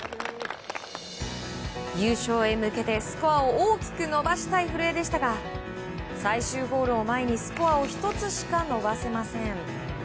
優勝へ向けてスコアを大きく伸ばしたい古江でしたが最終ホールを前にスコアを１つしか伸ばせません。